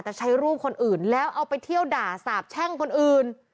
แต่ใช้รูปคนอื่นแล้วเอาไปเที่ยวด่าสาบแช่งคนอื่น